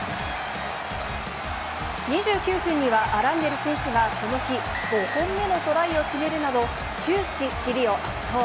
２９分には、アランデル選手がこの日、５本目のトライを決めるなど、終始、チリを圧倒。